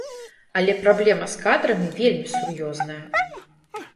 Але праблема з кадрамі вельмі сур'ёзная.